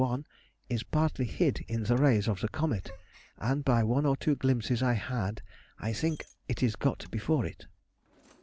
1, is partly hid in the rays of the comet, and by one or two glimpses I had, I think it is got before it.